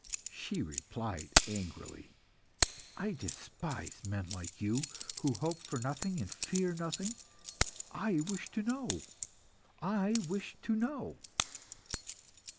She replied angrily "I despise men like you, who hope for nothing and fear nothing. I wish to know! I wish to know!"